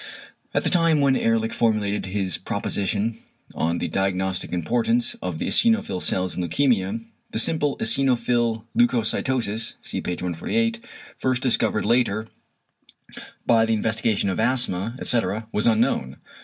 At the time when Ehrlich formulated his proposition on the diagnostic importance of the eosinophil cells in leukæmia, the simple eosinophil leucocytosis (see p. 148), first discovered later by the investigation of asthma etc., was unknown.